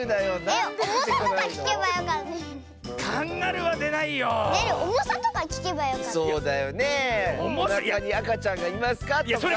「おなかにあかちゃんがいますか？」とか。